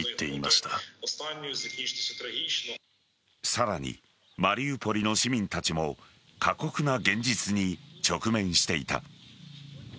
さらにマリウポリの市民たちも過酷な現実に直面していた。